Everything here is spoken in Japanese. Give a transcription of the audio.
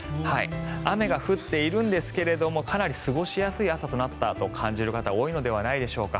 雨が降っているんですがかなり過ごしやすい朝となったと感じる方多いのではないでしょうか。